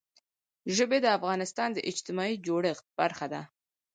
ژبې د افغانستان د اجتماعي جوړښت برخه ده.